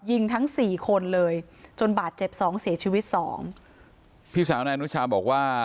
ยิงทั้งสี่คนเลยจนบาดเจ็บสองเสียชีวิตสองพี่สาวนายอนุชาบอกว่า